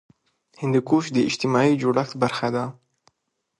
هندوکش د اجتماعي جوړښت برخه ده.